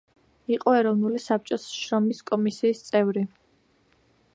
იყო ეროვნული საბჭოს შრომის კომისიის წევრი.